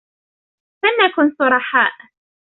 فلنكن صرحاء.